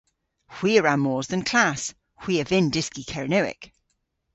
Hwi a wra mos dhe'n klass. Hwi a vynn dyski Kernewek.